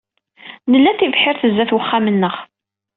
Nla tibḥirt sdat uxxam-nneɣ.